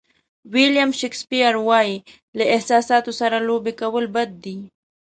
ویلیام شکسپیر وایي له احساساتو سره لوبې کول بد دي.